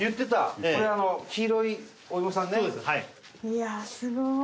いやあすごい！